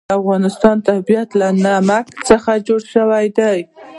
د افغانستان طبیعت له نمک څخه جوړ شوی دی.